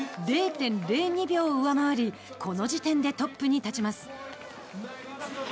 ０．０２秒を上回るこの時点でトップに立ちます。